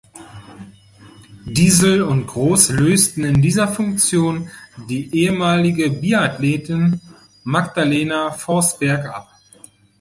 Disl und Groß lösten in dieser Funktion die ehemalige Biathletin Magdalena Forsberg ab.